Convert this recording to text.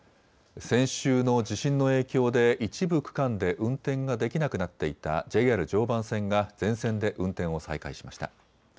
先週の地震の影響で一部区間で運転ができなくなっていたＪＲ常磐線が全線で運転を再開しました。